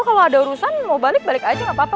lo kalau ada urusan mau balik balik aja gapapa